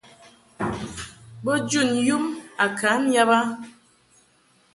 Bo jun yum a kam yab a.